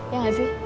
ya gak sih